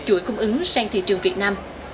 chuỗi cung ứng sang thị trường việt nam